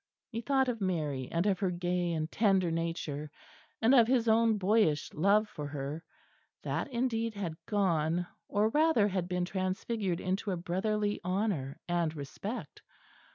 He thought of Mary and of her gay and tender nature; and of his own boyish love for her. That indeed had gone, or rather had been transfigured into a brotherly honour and respect.